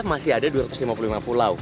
masih ada dua ratus lima puluh lima pulau